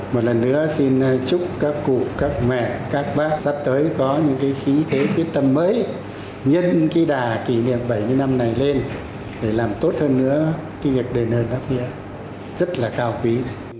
một lần nữa xin chúc các cụ các mẹ các bác sắp tới có những cái khí thế quyết tâm mới nhân cái đà kỷ niệm bảy mươi năm này lên để làm tốt hơn nữa cái việc đền ơn đáp nghĩa rất là cao quý này